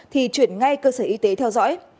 thì chuyển ngay cơ sở y tế theo dõi